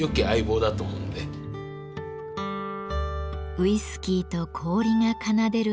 ウイスキーと氷が奏でる